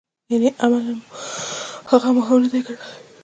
یعنې عملاً مو هغه مهم نه دی ګڼلی.